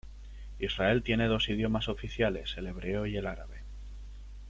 Israel tiene dos idiomas oficiales, el hebreo y el árabe.